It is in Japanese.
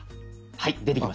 はい出てきました。